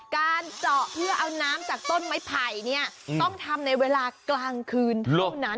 การเจาะเพื่อเอาน้ำจากต้นไม้ไผ่เนี่ยต้องทำในเวลากลางคืนเท่านั้น